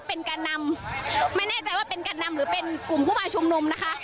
เป็นแก่นำไม่แน่ใจว่าเป็นแก่นำหรือเป็นกลุ่มผู้มาชุมนุมนะคะ